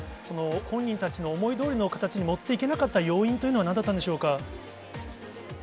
本人たちの思いどおりの形に持っていけなかった要因というのは、なんだったんでしょうか。